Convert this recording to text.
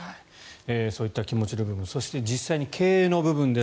そういった気持ちの部分そして実際の経営の部分です。